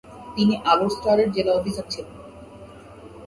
তিনি আলোর স্টারের জেলা অফিসার ছিলেন।